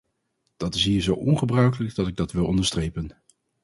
Dat is hier zo ongebruikelijk dat ik dat wil onderstrepen.